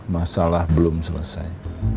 masalah belum selesai